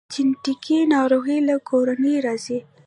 جنیټیکي ناروغۍ له کورنۍ راځي